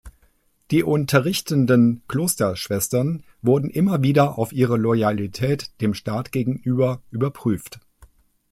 Die unterrichtenden Klosterschwestern wurden immer wieder auf ihre Loyalität dem Staat gegenüber überprüft.